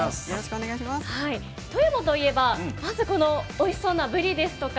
富山といえばおいしそうなブリですとか